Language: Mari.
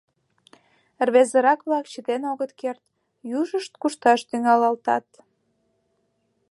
Рвезырак-влак чытен огыт керт, южышт кушташ тӱҥалалтат.